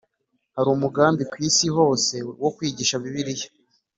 Hari umugambi ku isi hose wo kwigisha Bibiliya